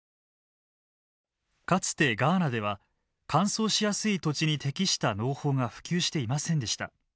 かつてガーナでは乾燥しやすい土地に適した農法が普及していませんでした。